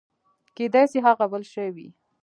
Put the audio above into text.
کېداى سي هغه بل شى وي.